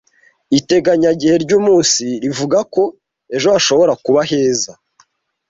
Iteganyagihe ry’uyu munsi rivuga ko ejo hashobora kuba heza.